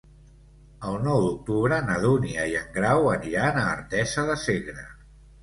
El nou d'octubre na Dúnia i en Grau aniran a Artesa de Segre.